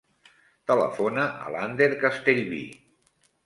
Telefona a l'Ander Castellvi.